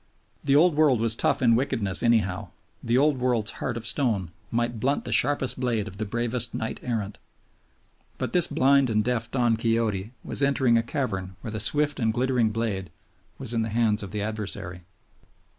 The Old World was tough in wickedness anyhow; the Old World's heart of stone might blunt the sharpest blade of the bravest knight errant. But this blind and deaf Don Quixote was entering a cavern where the swift and glittering blade was in the hands of the adversary.